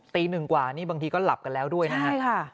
ตีหนึ่งกว่านี่บางทีก็หลับกันแล้วด้วยนะครับ